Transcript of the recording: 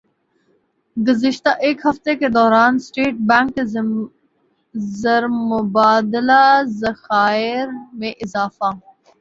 گزشتہ ایک ہفتہ کے دوران اسٹیٹ بینک کے زرمبادلہ ذخائر میں اضافہ